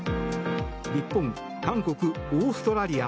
日本、韓国、オーストラリア